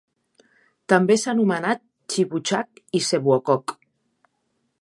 També s'ha anomenat Chibuchack i Sevuokok.